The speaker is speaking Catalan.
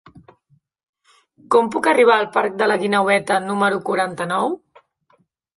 Com puc arribar al parc de la Guineueta número quaranta-nou?